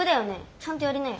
ちゃんとやりなよ。